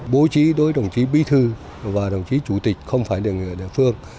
bố trí đối với đồng chí bí thư và đồng chí chủ tịch không phải đồng chí ở địa phương